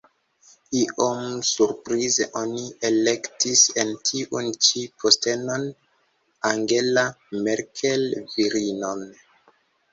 Iom surprize oni elektis en tiun ĉi postenon Angela Merkel, virinon.